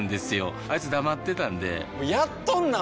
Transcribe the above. あいつ黙ってたんでやっとんなー！